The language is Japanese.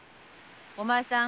お前さん